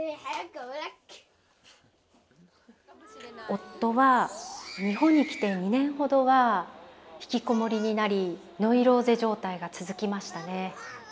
夫は日本に来て２年ほどは引きこもりになりノイローゼ状態が続きましたね。